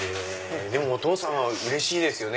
でもお父さんはうれしいですね